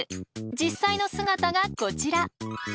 実際の姿がこちら。